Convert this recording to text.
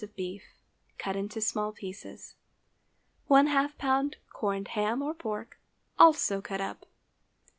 of beef, cut into small pieces. ½ lb. corned ham or pork, also cut up.